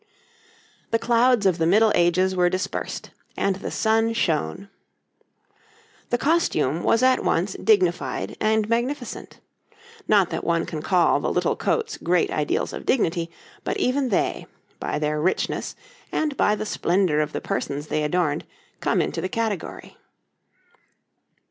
The clouds of the Middle Ages were dispersed, and the sun shone. The costume was at once dignified and magnificent not that one can call the little coats great ideals of dignity, but even they, by their richness and by the splendour of the persons they adorned, come into the category.